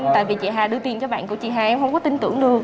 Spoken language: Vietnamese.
tại vì chị hà đưa tiền cho bạn của chị hà em không có tin tưởng được